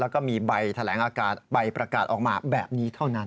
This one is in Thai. แล้วก็มีใบแถลงอากาศใบประกาศออกมาแบบนี้เท่านั้น